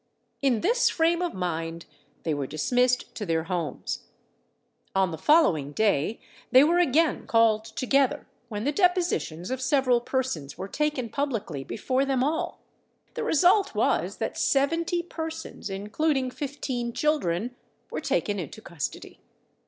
In this frame of mind they were dismissed to their homes. On the following day they were again called together, when the depositions of several persons were taken publicly before them all. The result was that seventy persons, including fifteen children, were taken into custody.